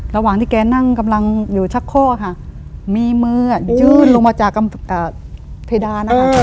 ระหว่างที่แกนั่งกำลังอยู่ชักข้อค่ะมีมือยื่นลงมาจากเพดานนะคะ